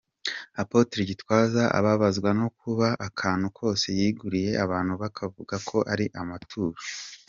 Apotre Gitwaza ababazwa no kuba akantu kose yiguriye abantu bavuga ko ari amaturo.